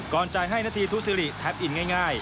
จ่ายให้นาทีทุซิริแท็ปอินง่าย